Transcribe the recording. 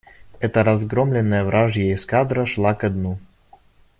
Это разгромленная вражья эскадра шла ко дну.